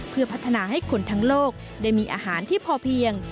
เพื่อพัฒนาให้คนทั้งโลกได้มีอาหารที่พอเพียง